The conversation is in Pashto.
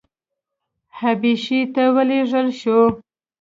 حبشې ته ولېږل شو.